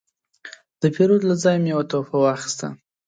د پیرود له ځایه مې یو تحفه واخیسته.